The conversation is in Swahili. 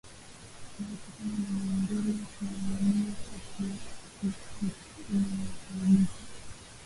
inayotokana na maumbile ya mibuyu inayosadikiwa